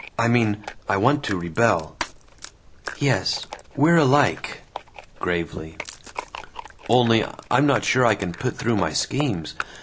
I mean, I want to rebel." "Yes. We're alike," gravely. "Only I'm not sure I can put through my schemes.